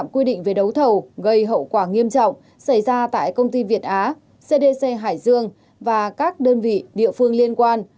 quy định về đấu thầu gây hậu quả nghiêm trọng xảy ra tại công ty việt á cdc hải dương và các đơn vị địa phương liên quan